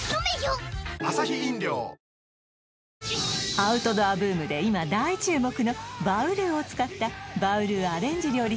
アウトドアブームで今大注目のバウルーを使ったバウルーアレンジ料理